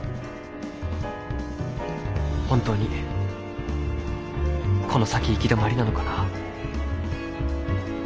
本当にこの先行き止まりなのかな。